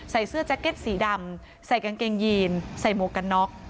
ใส่เสื้อแจ็คเก็ตสีดำใส่กางเกงยีนใส่หมวกกันน็อก